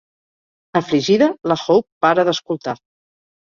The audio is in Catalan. Afligida, la Hope para d'escoltar.